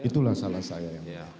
itulah salah saya yang mulia